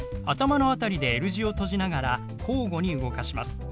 頭の辺りでＬ字を閉じながら交互に動かします。